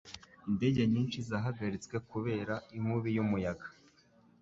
Indege nyinshi zahagaritswe kubera inkubi y'umuyaga.